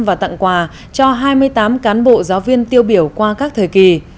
và tặng quà cho hai mươi tám cán bộ giáo viên tiêu biểu qua các thời kỳ